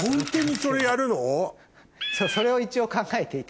そうそれを一応考えていて。